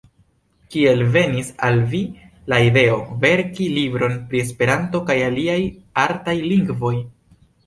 Kiel venis al vi la ideo verki libron pri Esperanto kaj aliaj artaj lingvoj?